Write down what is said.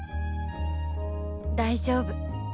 大丈夫。